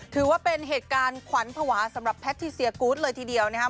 ถือว่าเป็นเหตุการณ์ขวัญภาวะสำหรับแพทิเซียกูธเลยทีเดียวนะครับ